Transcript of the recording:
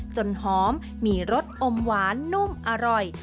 จนหอมมีรสอมหวานนุ่มอร่อย